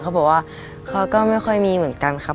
เขาบอกว่าเขาก็ไม่ค่อยมีเหมือนกันครับ